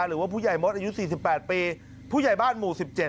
หรือว่าผู้ใหญ่มดอายุ๔๘ปีผู้ใหญ่บ้านหมู่๑๗